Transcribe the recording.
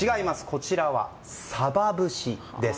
こちらはサバ節です。